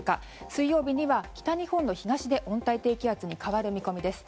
水曜日には北日本の東で温帯低気圧に変わる見込みです。